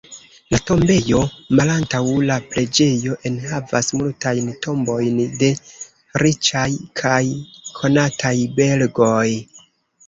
La tombejo malantaŭ la preĝejo enhavas multajn tombojn de riĉaj kaj konataj belgoj.